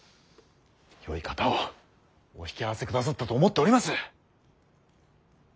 よい方をお引き合わせくださったと思っております。